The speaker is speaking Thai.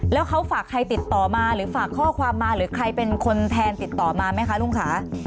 แล้วเขาฝากใครติดต่อมาหรือฝากข้อความมาหรือใครเป็นคนแทนติดต่อมาไหมคะลุงค่ะ